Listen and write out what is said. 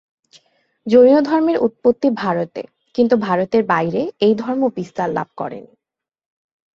জৈনধর্মের উৎপত্তি ভারতে কিন্তু ভারতের বাইরে এই ধর্ম বিস্তারলাভ করেনি।